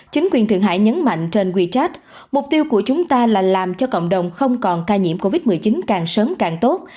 chính quyền thượng hải nhấn mạnh trên wechat mục tiêu của chúng ta là làm cho cộng đồng không còn ca nhiễm covid một mươi chín càng sớm càng tốt